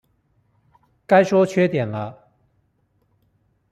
該說缺點了